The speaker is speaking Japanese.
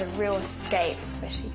よし。